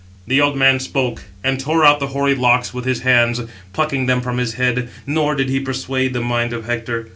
The old man spoke, and tore out the hoary locks with his hands, plucking them from his head; nor did he persuade the mind of Hector.